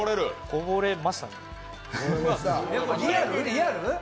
こぼれましたね。